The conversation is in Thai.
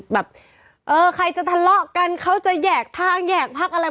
แบบเออใครจะทะเลาะกันเขาจะแยกทางแยกพักอะไร